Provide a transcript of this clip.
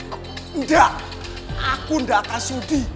tidak aku tidak akan sudi